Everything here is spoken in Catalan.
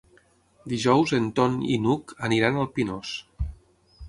Dijous en Ton i n'Hug aniran al Pinós.